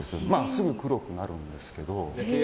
すぐ黒くなるんですけど。